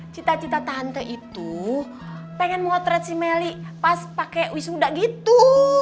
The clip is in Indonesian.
cita cita tahante itu pengen motret si meli pas pakai wisuda gitu